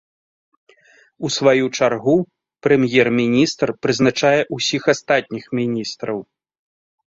У сваю чаргу, прэм'ер-міністр прызначае ўсіх астатніх міністраў.